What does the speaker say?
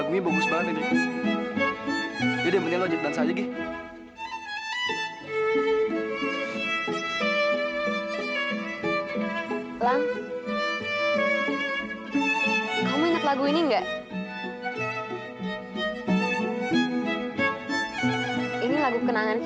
gak usah malu malu